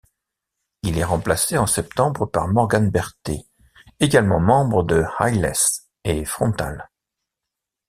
Il est remplacé en septembre par Morgan Berthet, également membre de Eyeless et Frontal.